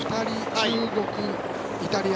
中国、イタリア。